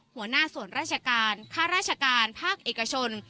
หัวหน้าส่วนราชการค่าราชการภาคเอกชน